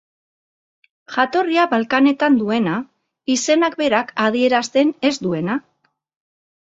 Jatorria Balkanetan duena, izenak berak adierazten ez duena.